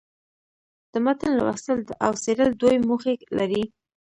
د متن لوستل او څېړل دوې موخي لري.